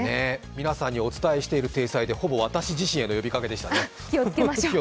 皆さんにお伝えしている体裁でほぼ私自身へのことですね。